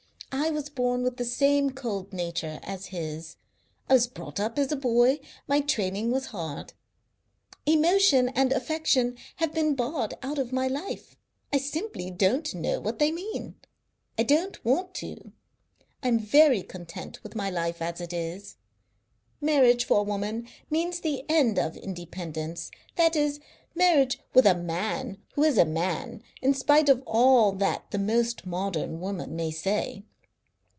I was born with the same cold nature as his. I was brought up as a boy, my training was hard. Emotion and affection have been barred out of my life. I simply don't know what they mean. I don't want to know. I am very content with my life as it is. Marriage for a woman means the end of independence, that is, marriage with a man who is a man, in spite of all that the most modern woman may say.